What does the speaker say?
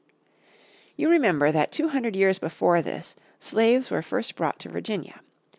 You remember that two hundred years before this, slaves were first brought to Virginia.